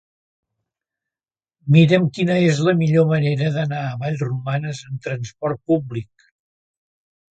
Mira'm quina és la millor manera d'anar a Vallromanes amb trasport públic.